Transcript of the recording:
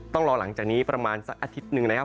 ต้องรอหลังจากนี้ประมาณสักอาทิตย์หนึ่งนะครับ